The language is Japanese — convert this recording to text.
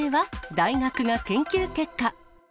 大学が研究結果。